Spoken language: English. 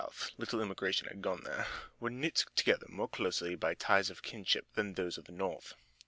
The people of the South little immigration had gone there were knit together more closely by ties of kinship than those of the North.